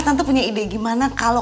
tante punya ide gimana